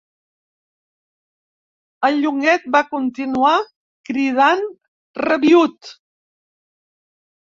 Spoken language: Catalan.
El Llonguet va continuar cridant, rabiüt.